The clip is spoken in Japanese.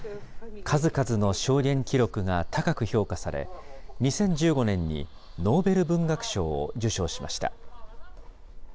数々の証言記録が高く評価され、２０１５年に、ノーベル文学賞を受賞しました。